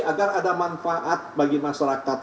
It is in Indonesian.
agar ada manfaat bagi masyarakat